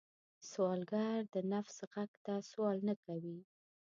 سوالګر د نفس غږ ته سوال نه کوي